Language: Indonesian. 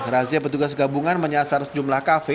razia petugas gabungan menyasar sejumlah kafe